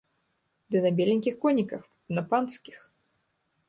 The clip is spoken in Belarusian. Ды на беленькіх коніках, на панскіх!